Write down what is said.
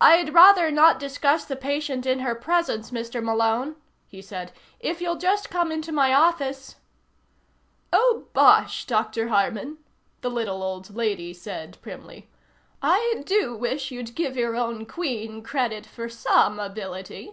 "I'd rather not discuss the patient in her presence, Mr. Malone," he said. "If you'll just come into my office " "Oh, bosh, Dr. Harman," the little old lady said primly. "I do wish you'd give your own Queen credit for some ability.